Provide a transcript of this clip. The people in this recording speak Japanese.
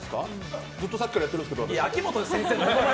ずっとさっきからやってるんですけど。